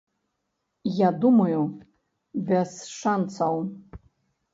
Я думаю, без шанцаў.